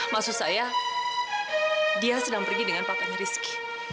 maksud saya dia sedang pergi dengan papanya rizky